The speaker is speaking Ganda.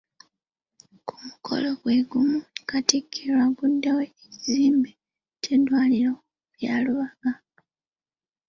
Ku mukolo gwe gumu, Katikkiro agguddewo ekizimbe ky'eddwaliro lya Lubaga.